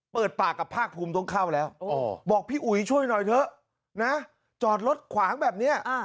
เปิดปากกับภาคภูมิต้องเข้าแล้วบอกพี่อุ๋ยช่วยหน่อยเถอะนะจอดรถขวางแบบนี้